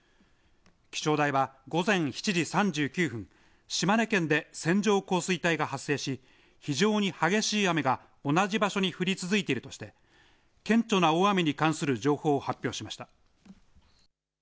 気象台は午前７時３９分島根県で線状降水帯が発生し非常に激しい雨が同じ場所に降り続いているとして顕著な大雨に関する情報を発表しました。